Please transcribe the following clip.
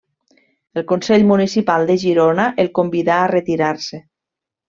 El consell municipal de Girona el convidà a retirar-se.